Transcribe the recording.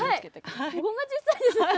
こんな小さいんですね。